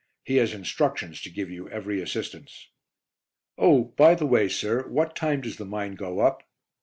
He has instructions to give you every assistance." "Oh, by the way, sir, what time does the mine go up?"